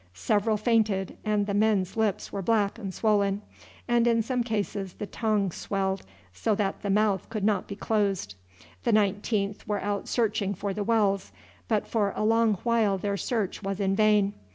Several fainted, and the men's lips were black and swollen, and in some cases the tongue swelled so that the mouth could not be closed. The 19th were out searching for the wells, but for a long while their search was in vain.